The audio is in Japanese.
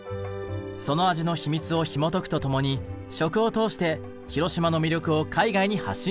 その味の秘密をひもとくと共に食を通して広島の魅力を海外に発信しました。